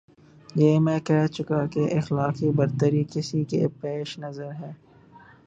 یہ میں کہہ چکا کہ اخلاقی برتری کسی کے پیش نظر ہے۔